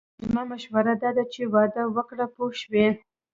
زما مشوره داده چې واده وکړه پوه شوې!.